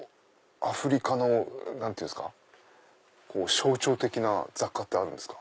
アフリカの象徴的な雑貨ってあるんですか？